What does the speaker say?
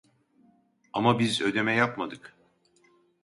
Ama biz ödeme yapmadık